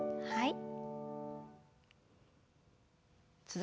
はい。